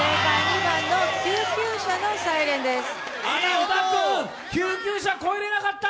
小田君、救急車越えられなかった。